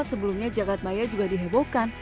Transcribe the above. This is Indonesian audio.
sebelumnya jagadmaya juga dihebohkan